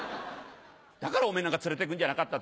「だからおめぇなんか連れてくんじゃなかった。